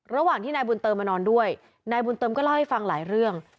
ระหว่างที่นายบุญเติมมานอนด้วยนายบุญเติมก็เล่าให้ฟังหลายเรื่อง